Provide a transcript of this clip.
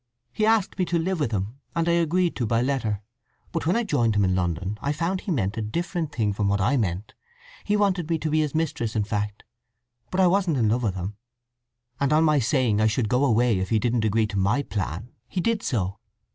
He asked me to live with him, and I agreed to by letter. But when I joined him in London I found he meant a different thing from what I meant. He wanted me to be his mistress, in fact, but I wasn't in love with him—and on my saying I should go away if he didn't agree to my plan, he did so.